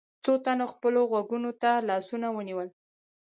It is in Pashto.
څو تنو خپلو غوږونو ته لاسونه ونيول.